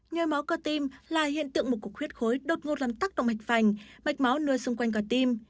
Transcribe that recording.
nhờ máu cơ tim là hiện tượng một cuộc khuyết khối đột ngột làm tác động mạch phành mạch máu nuôi xung quanh cơ tim